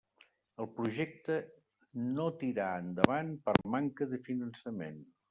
El projecta no tirà endavant per manca de finançament.